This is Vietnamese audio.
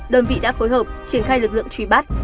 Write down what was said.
đơn vị đã phối hợp triển khai lực lượng truy bắt